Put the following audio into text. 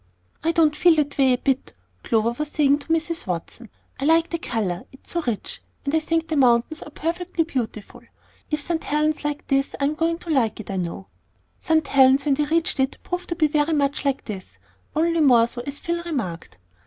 "I don't feel that way a bit," Clover was saying to Mrs. Watson. "I like the color, it's so rich; and I think the mountains are perfectly beautiful. If St. Helen's is like this I am going to like it, I know." St. Helen's, when they reached it, proved to be very much "like this," only more so, as Phil remarked.